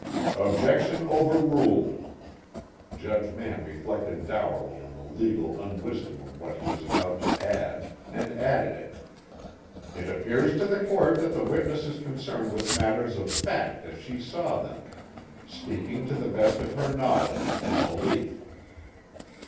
"Objection overruled." Judge Mann reflected dourly on the legal unwisdom of what he was about to add, and added it: "It appears to the Court that the witness is concerned with matters of fact as she saw them, speaking to the best of her knowledge and belief."